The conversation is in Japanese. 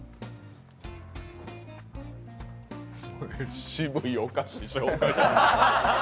これ、渋いお菓子、紹介